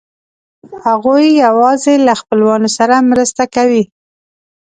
هغوی یواځې له خپلوانو سره مرسته کوي.